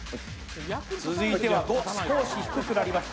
続いては５、少し低くなりました。